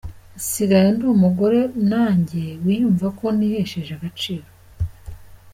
Nsigaye ndi umugore nanjye wiyumva ko nihesheje agaciro”.